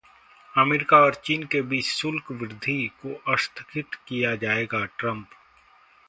America और चीन के बीच शुल्क वृद्धि को स्थगित किया जाएगा: ट्रंप